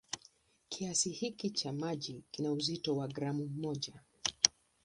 Kiasi hiki cha maji kina uzito wa gramu moja.